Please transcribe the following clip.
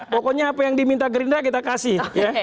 pokoknya apa yang diminta gerinda kita kasih